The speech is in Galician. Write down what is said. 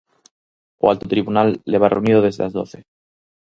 O alto tribunal leva reunido desde as doce.